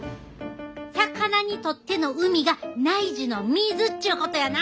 魚にとっての海が内耳の水っちゅうことやな！